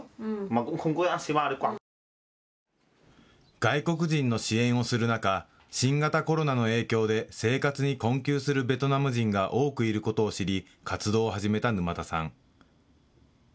外国人の支援をする中、新型コロナの影響で生活に困窮するベトナム人が多くいることを知り活動を始めた沼田さん。